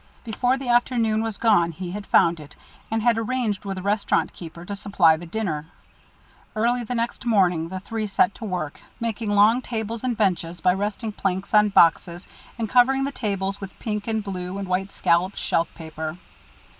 Before the afternoon was gone he had found it, and had arranged with a restaurant keeper to supply the dinner. Early the next morning the three set to work, making long tables and benches by resting planks on boxes, and covering the tables with pink and blue and white scalloped shelf paper.